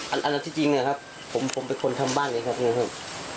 อันอันที่จริงเนี้ยครับผมผมเป็นคนทำบ้านเนี้ยครับเนี้ยครับ